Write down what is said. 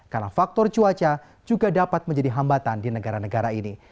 karena faktor cuaca juga dapat menjadi hambatan di negara negara ini